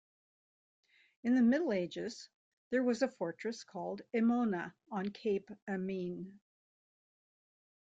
In the Middle Ages, there was a fortress called "Emona" on Cape Emine.